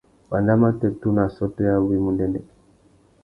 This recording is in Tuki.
Wanda matê tunu assôtô yabú i mú ndêndêk.